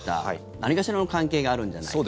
何かしらの関係があるんじゃないかと。